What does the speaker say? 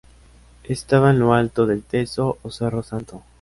Estaba en lo alto del Teso o Cerro Santo.